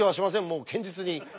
もう堅実に。